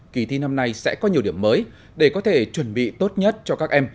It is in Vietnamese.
kỳ thi năm nay sẽ có nhiều điểm mới để có thể chuẩn bị tốt nhất cho các em